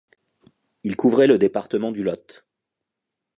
Il couvrait le département du Lot.